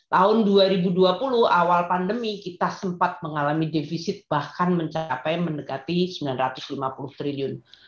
tahun dua ribu dua puluh awal pandemi kita sempat mengalami defisit bahkan mencapai mendekati rp sembilan ratus lima puluh triliun